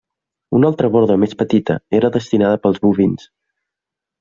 Una altra borda més petita era destinada per als bovins.